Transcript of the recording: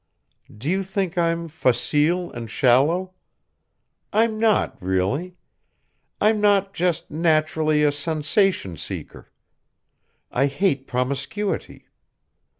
Do you think I'm facile and shallow? I'm not really. I'm not just naturally a sensation seeker. I hate promiscuity.